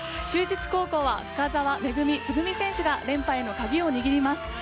就実高校は深澤めぐみつぐみ選手が連覇への鍵を握ります。